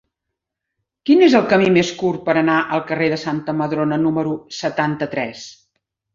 Quin és el camí més curt per anar al carrer de Santa Madrona número setanta-tres?